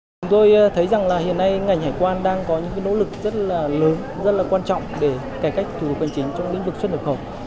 chúng tôi thấy rằng là hiện nay ngành hải quan đang có những nỗ lực rất là lớn rất là quan trọng để cải cách thủ tục hành chính trong lĩnh vực xuất nhập khẩu